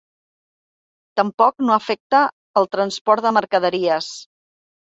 Tampoc no afecta el transport de mercaderies.